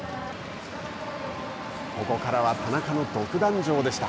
ここからは田中の独壇場でした。